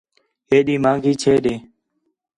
ہیݙی مہنگی چھے ݙے